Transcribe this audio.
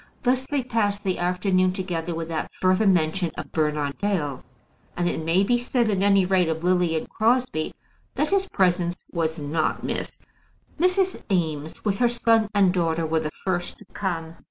Thus they passed the afternoon together without further mention of Bernard Dale; and it may be said, at any rate of Lily and Crosbie, that his presence was not missed. Mrs. Eames, with her son and daughter, were the first to come.